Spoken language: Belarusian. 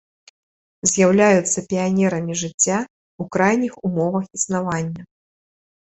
З'яўляюцца піянерамі жыцця ў крайніх умовах існавання.